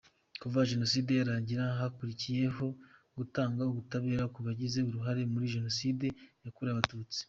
Kuva Jenoside yarangira, hakurikiyeho gutanga ubutabera ku bagize uruhare muri Jenoside yakorewe Abatutsi.